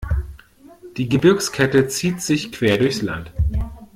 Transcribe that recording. Die Gebirgskette zieht sich quer durchs Land.